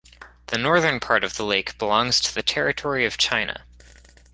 The northern part of the lake belongs to the territory of China.